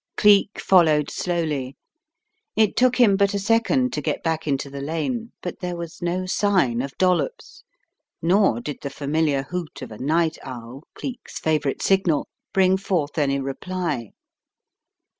Cleek followed slowly. It took him but a second to get back into the lane, but there was no sign of Dollops, nor did the familiar hoot of a night owl, Cleek's favourite signal, bring forth any reply.